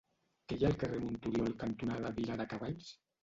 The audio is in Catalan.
Què hi ha al carrer Monturiol cantonada Viladecavalls?